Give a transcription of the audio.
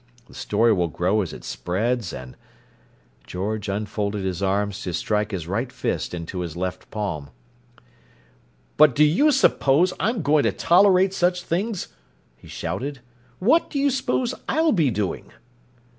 The story will grow as it spreads and—" George unfolded his arms to strike his right fist into his left palm. "But do you suppose I'm going to tolerate such things?" he shouted. "What do you suppose I'll be doing?"